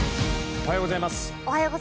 おはようございます。